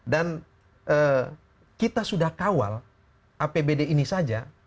dan kita sudah kawal apbd ini saja